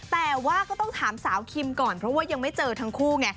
แต่ว่าก็ต้องถามสาวคิมก่อนเพราะว่ายังไม่เจอทั้งคู่ไง